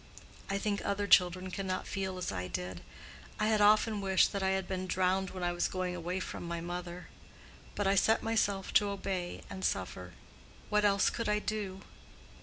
I think other children cannot feel as I did. I had often wished that I had been drowned when I was going away from my mother. But I set myself to obey and suffer: what else could I do?